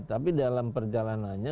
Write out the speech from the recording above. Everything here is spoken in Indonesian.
tapi dalam perjalanannya